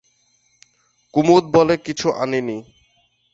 কুমুদ বলে, কিছু আনিনি।